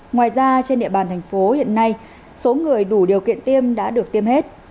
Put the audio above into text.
ngoài ra trên địa bàn thành phố hiện nay số người đủ điều kiện tiêm đã được tiêm hết